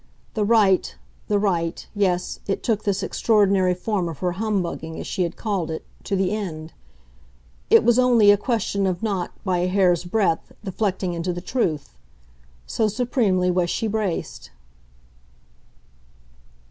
The right, the right yes, it took this extraordinary form of her humbugging, as she had called it, to the end. It was only a question of not, by a hair's breadth, deflecting into the truth. So, supremely, was she braced.